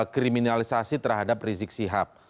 kriminalisasi terhadap rizik sihab